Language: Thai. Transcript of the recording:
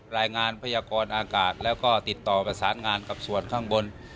รายงานพยากรอากาศแล้วก็ติดต่อประสานงานกับส่วนข้างบน